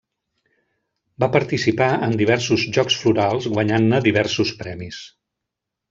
Va participar en diversos Jocs Florals guanyant-ne diversos premis.